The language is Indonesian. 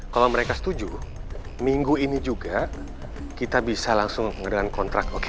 kalau mereka setuju minggu ini juga kita bisa langsung dengan kontrak